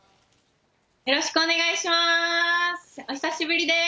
よろしくお願いします。